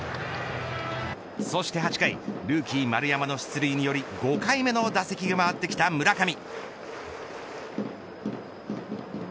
そして８回ルーキー丸山の出塁により５回目の打席が回ってきた村上。